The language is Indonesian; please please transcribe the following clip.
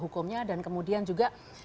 hukumnya dan kemudian juga